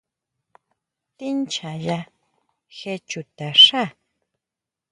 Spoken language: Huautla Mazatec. ¿Tíʼnchjaya je chuta xá?